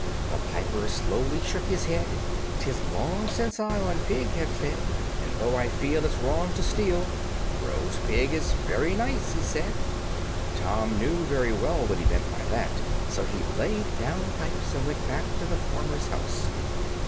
The piper slowly shook his head; "'Tis long since I on pig have fed, And though I feel it's wrong to steal, Roast pig is very nice," he said. Tom knew very well what he meant by that, so he laid down the pipes, and went back to the farmer's house.